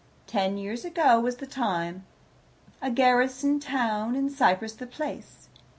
Ten years ago was the time, a garrison town in Cyprus the place.